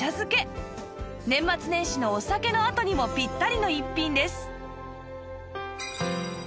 年末年始のお酒のあとにもピッタリの一品です